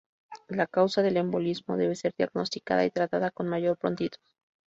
La causa del embolismo debe ser diagnosticada y tratada con mayor prontitud.